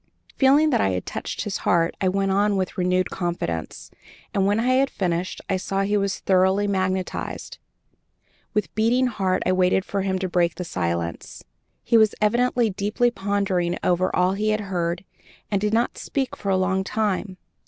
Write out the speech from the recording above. Feeling that I had touched his heart I went on with renewed confidence, and, when I had finished, I saw he was thoroughly magnetized. With beating heart I waited for him to break the silence. He was evidently deeply pondering over all he had heard, and did not speak for a long time.